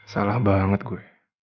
salah banget gue